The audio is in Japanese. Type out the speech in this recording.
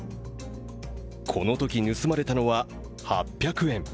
このとき、盗まれたのは８００円。